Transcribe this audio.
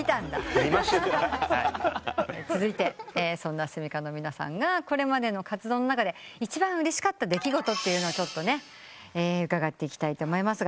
続いてそんなｓｕｍｉｋａの皆さんがこれまでの活動の中で一番うれしかった出来事を伺っていきたいと思います。